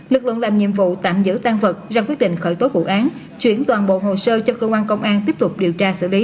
lực lượng làm nhiệm vụ tạm giữ tan vật ra quyết định khởi tố vụ án chuyển toàn bộ hồ sơ cho cơ quan công an tiếp tục điều tra xử lý